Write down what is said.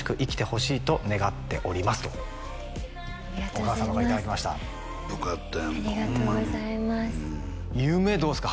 お母様からいただきましたよかったやんかホンマにありがとうございます夢どうですか？